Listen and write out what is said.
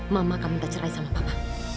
mama kamu minta cerai sama papa